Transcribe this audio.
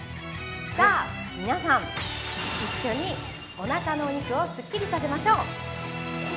さあ皆さん、一緒におなかのお肉をすっきりさせましょう。